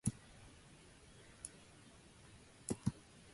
The song was recorded during the sessions for the band's "Rubber Soul" album.